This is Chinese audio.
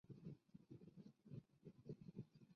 过完年回来再打算